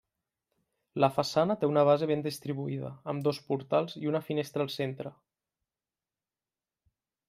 La façana té una base ben distribuïda, amb dos portals i una finestra al centre.